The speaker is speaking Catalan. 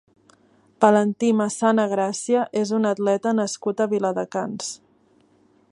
Valentí Massana Gràcia és un atleta nascut a Viladecans.